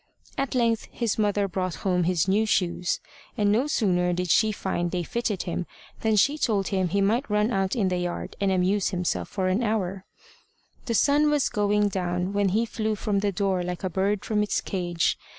At length his mother brought home his new shoes, and no sooner did she find they fitted him than she told him he might run out in the yard and amuse himself for an hour. The sun was going down when he flew from the door like a bird from its cage.